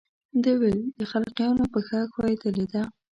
ده ویل د خلقیانو پښه ښویېدلې ده.